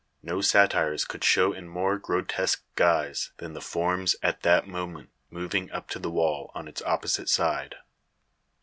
No satyrs could show in more grotesque guise than the forms at that moment moving up to the wall, on its opposite side.